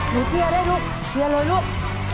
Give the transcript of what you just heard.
หนูเชียร์ด้วยลูกเชียร์ลูก